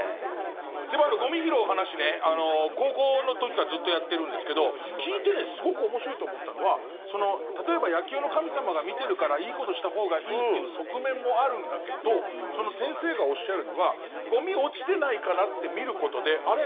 でも、ゴミ拾う話ね高校の時からずっとやってるんですけど聞いてすごく面白いと思ったのは例えば、野球の神様が見てるからいいことしたほうがいいっていう側面もあるんだけどその先生がおっしゃるにはゴミ落ちてないかなって見ることであれ？